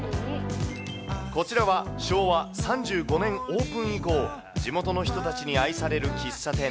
こちらは昭和３５年オープン以降、地元の人たちに愛される喫茶店。